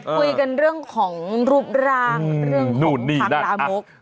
คุยกันเรื่องของรูปรางเรื่องของธังละมุก